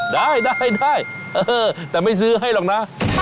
ได้ได้แต่ไม่ซื้อให้หรอกนะ